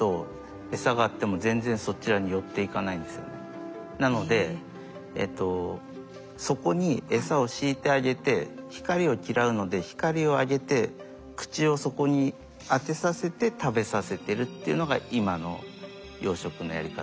このなので底にエサを敷いてあげて光を嫌うので光を上げて口をそこに当てさせて食べさせてるっていうのが今の養殖のやり方なんです。